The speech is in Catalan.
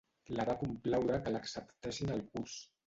La va complaure que l'acceptessin al curs.